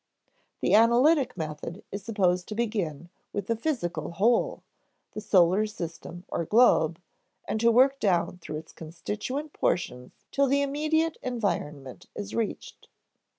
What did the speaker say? The analytic method is supposed to begin with the physical whole, the solar system or globe, and to work down through its constituent portions till the immediate environment is reached.